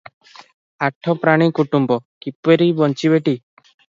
ଆଠ ପ୍ରାଣୀ କୁଟୁମ୍ବ, କିପରି ବଞ୍ଚିବେଟି?